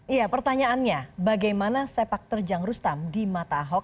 iya pertanyaannya bagaimana sepak terjang rustam di mata ahok